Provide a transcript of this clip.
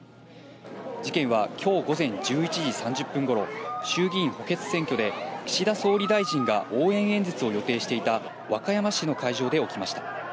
事件はきょう午前１１時３０分ごろ、衆議院補欠選挙で岸田総理大臣が応援演説を予定していた和歌山市の会場で起きました。